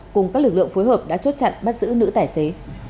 cùng các lực lượng phối hợp đã chốt chặn bắt giữ nữ tài xế